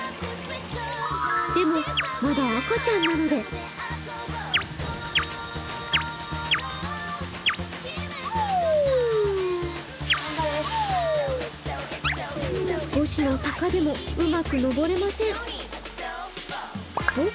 でもまだ赤ちゃんなので少しの坂でもうまく登れません。